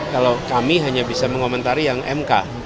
kalau kami hanya bisa mengomentari yang mk